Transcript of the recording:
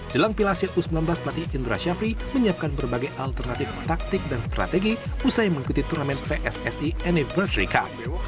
jelang piala asia u sembilan belas pelatih indra syafri menyiapkan berbagai alternatif taktik dan strategi usai mengikuti turnamen pssi anniversary cup